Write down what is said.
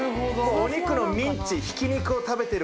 お肉のミンチ。